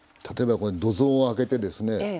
例えば土蔵を開けてですね